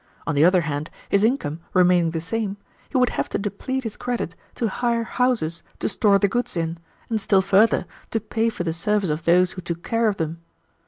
On the other hand, his income remaining the same, he would have to deplete his credit to hire houses to store the goods in, and still further to pay for the service of those who took care of them.